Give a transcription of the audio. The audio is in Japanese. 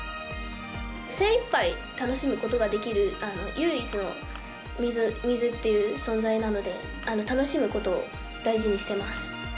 精いっぱい楽しむことができる唯一の水っていう存在なので楽しむことを大事にしています。